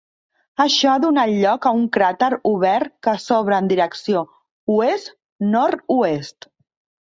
Això ha donat lloc a un cràter obert que s'obre en direcció oest/nord-oest.